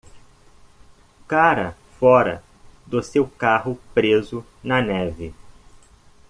Cara fora do seu carro preso na neve.